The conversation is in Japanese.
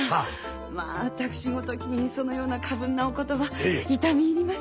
まあ私ごときにそのような過分なお言葉痛み入ります。